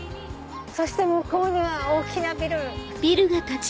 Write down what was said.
そして向こうには大きなビル。